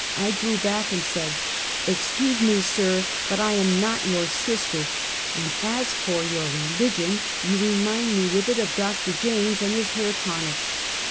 I drew back and said: "Excuse me, sir, but I am not your sister; and as for your religion you remind me with it of Doctor Jaynes and his hair tonic."